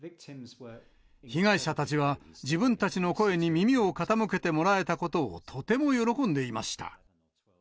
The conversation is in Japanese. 被害者たちは自分たちの声に耳を傾けてもらえたことをとても喜んでいました。